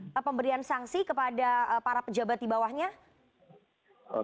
apakah kemudian pemprov dki juga sedang mempertimbangkan